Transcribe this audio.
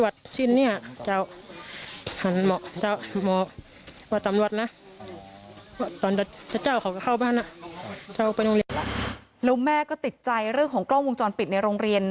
แล้วแม่ติดใจเรื่องของกล้องวงจรปิดในโรงเรียน